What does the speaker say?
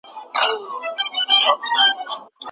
بهرني پورونه څنګه تایید کیږي؟